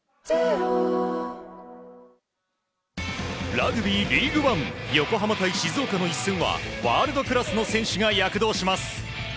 ラグビーリーグワン横浜対静岡の一戦はワールドクラスの選手が躍動します。